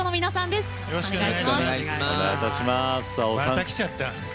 また来ちゃった。